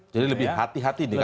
jadi lebih hati hati di kpk sekarang